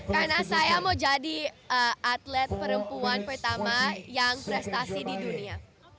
karena saya mau jadi atlet perempuan pertama yang prestasi di dunia